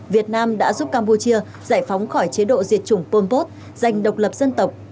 việt nam đã giúp campuchia giải phóng khỏi chế độ diệt chủng pol pot dành độc lập dân tộc